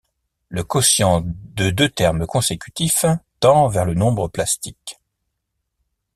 Le quotient de deux termes consécutifs tend vers le nombre plastique.